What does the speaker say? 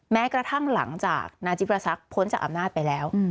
แม้กระทั่งหลังจากนายจิปราศักดิ์พ้นจากอำนาจไปแล้ว